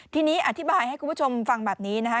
ทีนี้อธิบายให้คุณผู้ชมฟังแบบนี้นะคะ